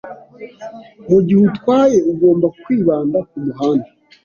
Mugihe utwaye, ugomba kwibanda kumuhanda.